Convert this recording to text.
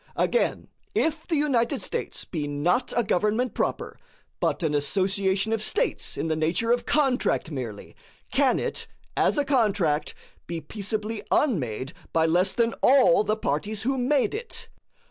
Again, if the United States be not a government proper, but an association of States in the nature of contract merely, can it, as a contract, be peaceably unmade by less than all the parties who made it?